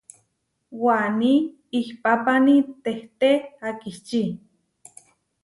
Waní ihpápani tehté akičí.